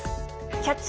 「キャッチ！